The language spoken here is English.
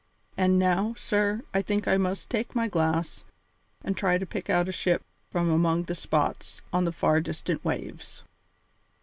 And now, sir, I think I must take my glass and try to pick out a ship from among the spots on the far distant waves."